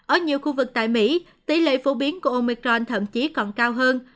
ở nhiều khu vực tại mỹ tỷ lệ phổ biến của omicron thậm chí còn cao hơn